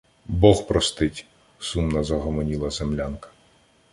— Бог простить! — сумно загомоніла землянка.